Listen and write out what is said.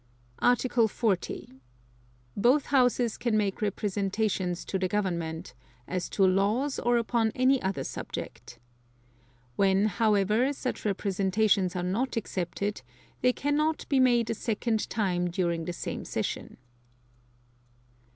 Article 40. Both Houses can make representations to the Government, as to laws or upon any other subject. When, however, such representations are not accepted, they cannot be made a second time during the same session.